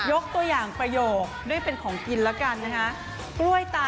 ยกตัวอย่างประโยคด้วยเป็นของกินแล้วกันนะคะ